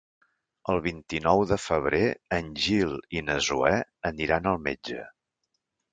El vint-i-nou de febrer en Gil i na Zoè aniran al metge.